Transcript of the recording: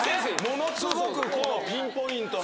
ものすごくピンポイントな。